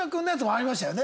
ありました。